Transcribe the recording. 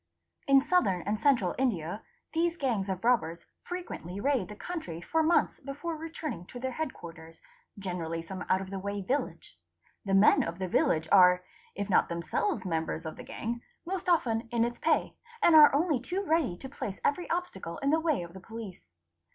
| In' Southern and Central India these gangs of robbers frequently raid he country for months before returning to their head quarters—generally some out of the way village. The men of the village are, if not them selves members of the gang, most often in its pay, and are only too ready to place every obstacle in the way of the police.